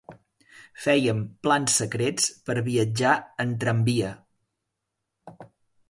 Fèiem plans secrets per viatjar en tramvia.